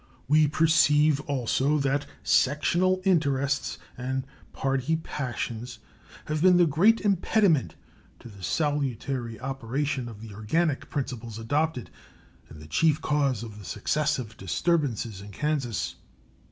We perceive also that sectional interests and party passions have been the great impediment to the salutary operation of the organic principles adopted and the chief cause of the successive disturbances in Kansas.